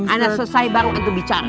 ana selesai baru antum bicara